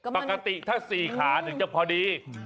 ปกติถ้า๔ขาถึงจะพอดี